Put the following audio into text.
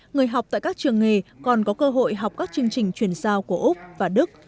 người học tại các trường nghề còn có cơ hội học các chương trình chuyển giao của úc và đức